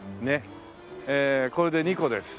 これで２個です。